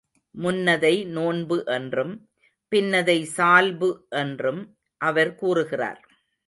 முன்னதை நோன்பு என்றும், பின்னதை சால்பு என்றும் அவர் கூறுகிறார்.